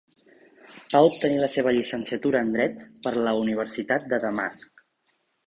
Va obtenir la seva llicenciatura en Dret per la Universitat de Damasc.